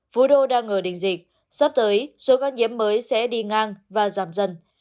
phú đô đang ngờ đỉnh dịch sắp tới số ca nhiễm mới sẽ đi ngang và giảm dần